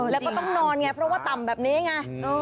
แล้วก็ต้องนอนไงเพราะว่าต่ำแบบนี้ไง